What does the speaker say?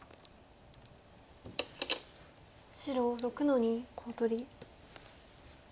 白６の二コウ取り。